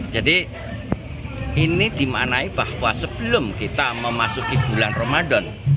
jadi ini dimaknai bahwa sebelum kita memasuki bulan ramadan